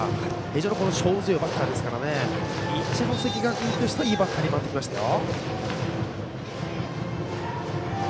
非常に勝負強いバッターですから一関学院としてはいいバッターに回ってきましたよ。